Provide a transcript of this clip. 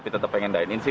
pembelian juga disediakan